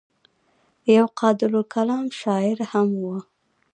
يو قادرالکلام شاعر هم وو